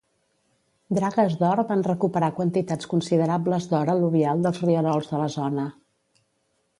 Dragues d'or van recuperar quantitats considerables d'or al·luvial dels rierols de la zona.